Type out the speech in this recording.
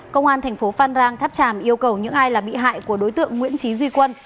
công an thành phố phan rang tháp tràm yêu cầu những ai là bị hại của đối tượng nguyễn trí duy quân